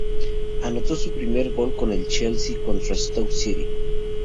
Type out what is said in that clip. Anotó su primer gol con el Chelsea contra el Stoke City.